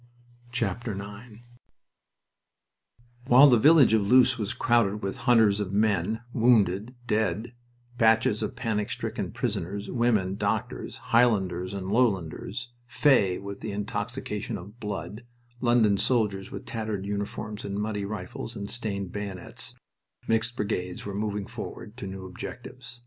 IX While the village of Loos was crowded with hunters of men, wounded, dead, batches of panic stricken prisoners, women, doctors, Highlanders and Lowlanders "fey" with the intoxication of blood, London soldiers with tattered uniforms and muddy rifles and stained bayonets, mixed brigades were moving forward to new objectives.